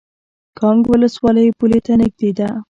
کانګ ولسوالۍ پولې ته نږدې ده؟